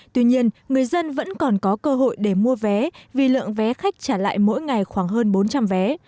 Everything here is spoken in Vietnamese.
tuy nhiên người dân vẫn còn có cơ hội để mua vé vì lượng vé khách trả lại mỗi ngày khoảng hơn bốn trăm linh vé